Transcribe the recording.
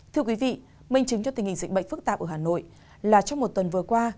thưa quý vị minh chứng cho tình hình dịch bệnh phức tạp ở hà nội là trong một tuần vừa qua